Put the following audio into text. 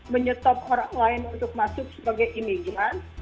menyetop orang lain untuk masuk sebagai imagement